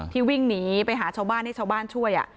วิ่งหนีไปหาชาวบ้านให้ชาวบ้านช่วย